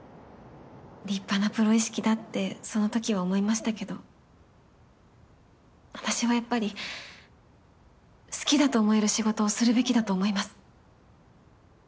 立派なプロ意識だってそのときは思いましたけど私はやっぱり好きだと思える仕事をするべきだと思います。